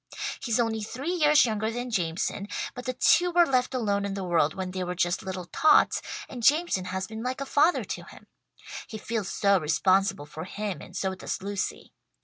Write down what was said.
He's only three years younger than Jameson, but the two were left alone in the world when they were just little tots, and Jameson has been like a father to him. He feels so responsible for him and so does Lucy.